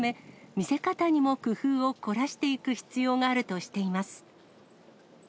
見せ方にも工夫を凝らしていく必要があるとしています。